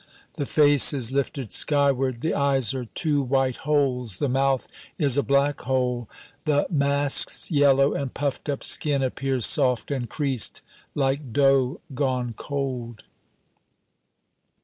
The face is lifted skyward. The eyes are two white holes; the mouth is a black hole. The mask's yellow and puffed up skin appears soft and creased, like dough gone cold.